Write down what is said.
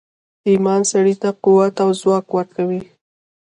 ایمان سړي ته قوت او ځواک ورکوي